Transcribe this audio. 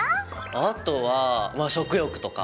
あとはまあ食欲とか？